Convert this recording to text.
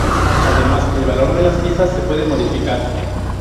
Además, el valor de las piezas se puede modificar.